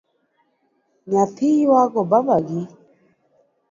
Nyathi yuago babagi?